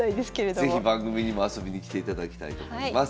是非番組にも遊びに来ていただきたいと思います。